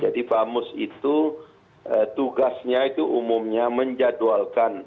jadi bamus itu tugasnya itu umumnya menjadwalkan